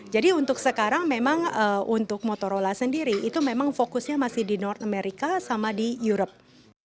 jadi untuk sekarang memang untuk motorola sendiri itu memang fokusnya masih di north america sama di europe